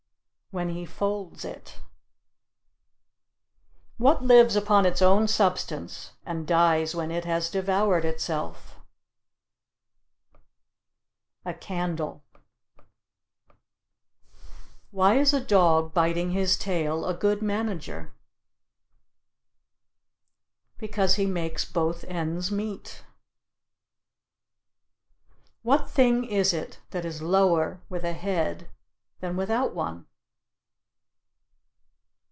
When he folds it. What lives upon its own substance and dies when it has devoured itself? A candle. Why is a dog biting his tail a good manager? Because he makes both ends meet. What thing is it that is lower with a head than without one?